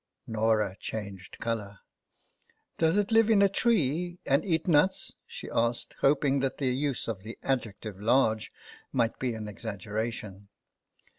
Norah changed colour. " Does it live in a tree and eat nuts ?" she asked, hoping that the use of the adjective *' large " might be an exaggeration.